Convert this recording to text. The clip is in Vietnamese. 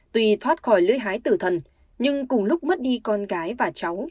tuy thoát khỏi lưỡi hái tử thần nhưng cùng lúc mất đi con gái và cháu